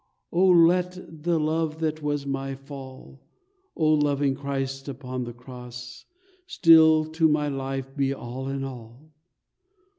"Oh, let the love that was my fall, O loving Christ upon the Cross, Still to my life be all in all.